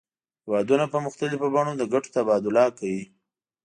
هیوادونه په مختلفو بڼو د ګټو تبادله کوي